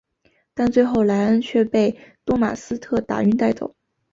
但最后莱恩却被多马斯特打晕带走。